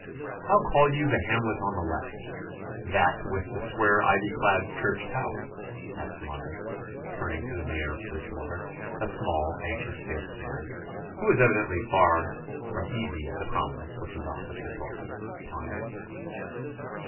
'How call you the hamlet on the left that with the square ivy clad church tower?' asked Monmouth, turning to the Mayor of Bridgewater, a small, anxious faced man, who was evidently far from easy at the prominence which his office had brought upon him.